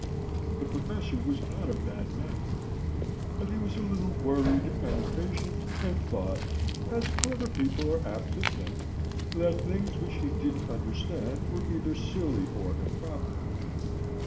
The Professor was not a bad man, but he was a little worried and impatient, and thought as clever people are apt to think that things which he didn't understand were either silly or improper.